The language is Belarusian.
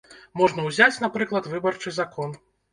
Можна ўзяць, напрыклад, выбарчы закон.